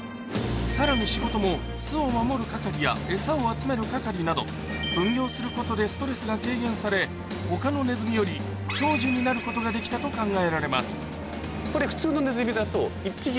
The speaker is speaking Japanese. さらに仕事も巣を守る係やエサを集める係など分業することでストレスが軽減され他のネズミより長寿になることができたと考えられます